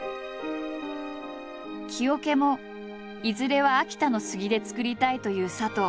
木桶もいずれは秋田の杉で作りたいという佐藤。